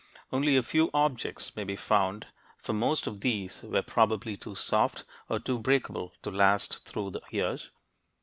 Only a few objects may be found, for most of these were probably too soft or too breakable to last through the years.